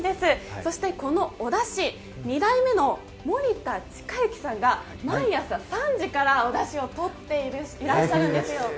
そしてこのおだし、２代目の森田史之さんが毎朝３時からおだしを取っていらっしゃるんですよ。